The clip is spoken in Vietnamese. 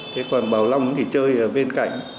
thế còn bảo long thì chơi ở bên cạnh